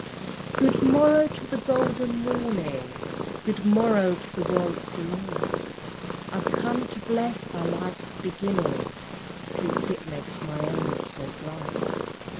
Good morrow to the golden morning, Good morrow to the world's delight I've come to bless thy life's beginning, Since it makes my own so bright!